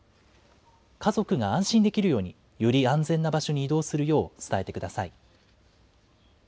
家族が安心できるように、より安全な場所に移動するよう伝えてください。